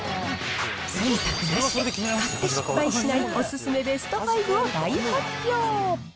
そんたくなしで買って失敗しないお勧めベスト５を大発表。